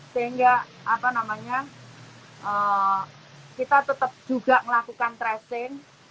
sehingga apa namanya kita tetap juga melakukan tracing